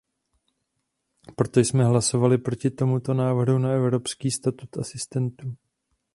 Proto jsme hlasovali proti tomuto návrhu na evropský statut asistentů.